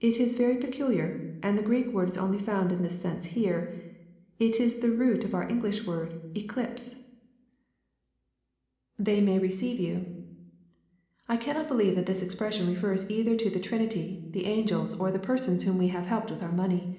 It is very pecuhar, and the Greek word is only found in thLi sense here. It is the root of our Enghsh word " eclipse." 204 EXPOSITORY THOUGHTS [7%ey may receive you.] I cannot believe that this expression refers either to the Trinity, the angels, or the persons whom we have helped with our money.